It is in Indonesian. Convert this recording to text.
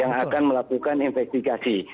yang akan melakukan investigasi